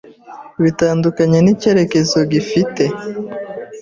bitandukanye n’icyerekezo gifite,